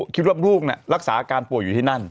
คิดว่าลูกรักษาอาการป่วยอยู่ที่นั่น